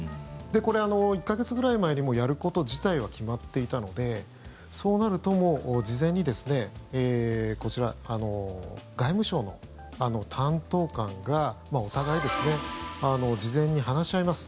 これは１か月ぐらい前にやること自体は決まっていたのでそうなると、もう事前に外務省の担当官がお互い事前に話し合います。